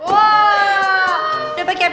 udah pake hp gue pake hp gue